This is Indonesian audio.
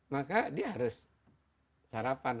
maka dia harus sarapan